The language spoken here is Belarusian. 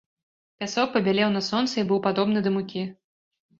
Пясок пабялеў на сонцы і быў падобны да мукі.